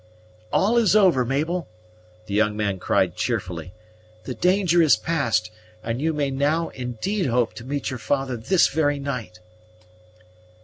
"All is over, Mabel," the young man cried cheerfully. "The danger is past, and you may now indeed hope to meet your father this very night."